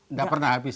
nggak pernah habis